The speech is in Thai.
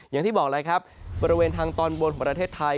อย่างที่บอกประเวณทางตอนบนของประเทศไทย